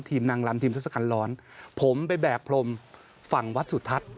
ทีมนางรำทีมศักดิ์สกัญร้อนผมไปแบกพรมฝั่งวัดสุทัศน์